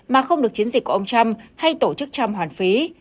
mà không được chiến dịch của ông trump hay tổ chức trăm hoàn phí